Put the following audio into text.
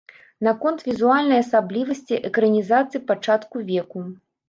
Наконт візуальнай асаблівасці экранізацыі пачатку веку.